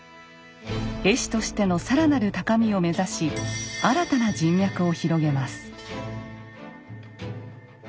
絵師としての更なる高みを目指し新たな人脈を広げます。